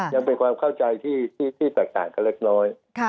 ยังเป็นความเข้าใจที่แตกต่างกันเล็กน้อย